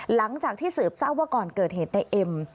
หลังจากที่สืบทราบว่าก่อนเกิดเหตุในเอ็ม